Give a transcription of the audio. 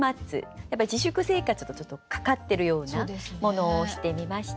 やっぱり自粛生活とちょっとかかってるようなものをしてみました。